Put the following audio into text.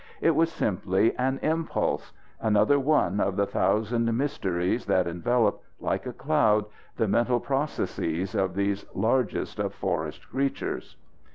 It was simply an impulse another one of the thousand mysteries that envelop, like a cloud, the mental processes of these largest of forest creatures.